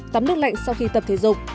tắm nước lạnh sau khi tập thể dục